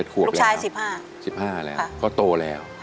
ลูกชาย๑๕ค่ะ